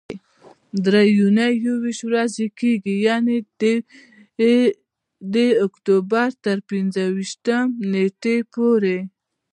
درې اونۍ یويشت ورځې کېږي، یعنې د اکتوبر تر پنځه ویشتمې نېټې پورې.